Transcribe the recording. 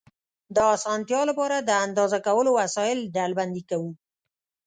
د اسانتیا له پاره، د اندازه کولو وسایل ډلبندي کوو.